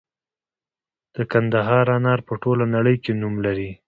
د کندهار انار په ټوله نړۍ کې نوم لري.